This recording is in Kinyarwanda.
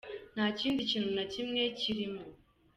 Nta kindi kintu na kimwe kirimwo.